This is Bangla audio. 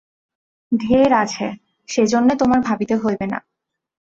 ঢের আছে–সেজন্যে তোমার ভাবিতে হইবে না।